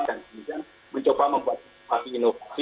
dan kemudian mencoba membuat situasi inovasi di dalam pembangunan secara jauh